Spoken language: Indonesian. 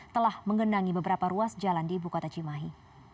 telah mengenangi beberapa ruas jalan di ibu kota cimahi